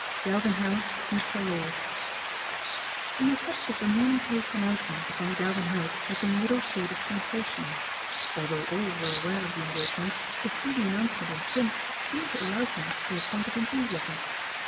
CHAPTER XIV GALVIN HOUSE MEETS A LORb THE effect of The Morning Post announce ment upon Galvin House had been little short of sensational. Although all were I aware of the engagement, to see the announcement in print seemed to arouse them to a point of enthusiasm.